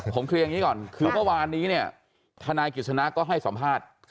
ผมเคลียร์อย่างนี้ก่อนคือเมื่อวานนี้เนี่ยทนายกิจสนะก็ให้สัมภาษณ์